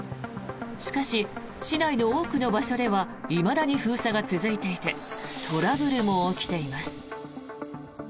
しかし、市内の多くの場所ではいまだに封鎖が続いていてトラブルも起きています。